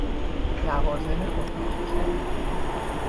لوازم اتاق خواب